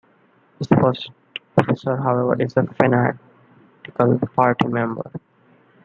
His first officer, however, is a fanatical Party member.